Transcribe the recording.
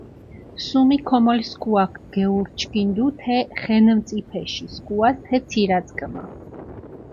სუმი ქომოლ სქუაქ გეურჩქინდუ თე ხენწიფეში სქუას თე ცირაწკჷმა.